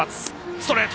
ストレート！